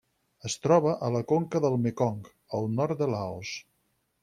Es troba a la conca del Mekong al nord de Laos.